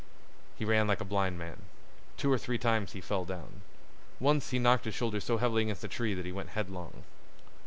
He ran like a blind man. Two or three times he fell down. Once he knocked his shoulder so heavily against a tree that he went headlong.